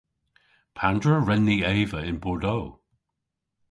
Pandr'a wren ni eva yn Bordeaux?